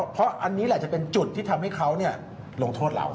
เพราะอันนี้แหละจะเป็นจุดที่ทำให้เขาลงโทษเรา